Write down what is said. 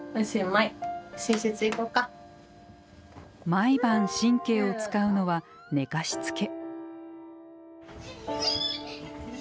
毎晩神経を使うのは寝かしつけ。